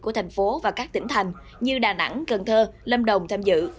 của thành phố và các tỉnh thành như đà nẵng cần thơ lâm đồng tham dự